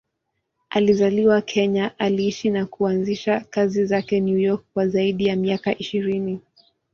Alizaliwa Kenya, aliishi na kuanzisha kazi zake New York kwa zaidi ya miaka ishirini.